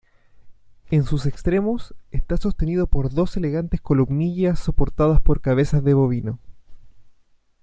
En sus extremos, está sostenido por dos elegantes columnillas soportadas por cabezas de bovino.